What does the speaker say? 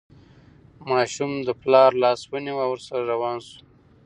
ماشوم د پلار لاس ونیو او ورسره روان شو.